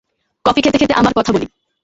Coffee খেতে খেতে আমার কথা বলি।